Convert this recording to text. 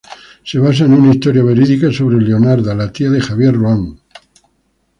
Se basa en una historia verídica sobre Leonarda, la tía de Javier Ruán.